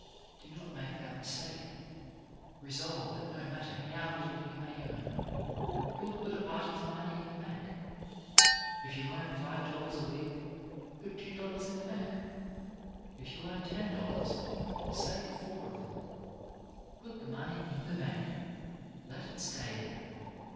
Do not make that mistake. Resolve that no matter how little you may earn, you will put a part of the money in the bank. If you earn five dollars a week, put two dollars in the bank. If you earn ten dollars, save four of them. Put the money in the bank. Let it stay there.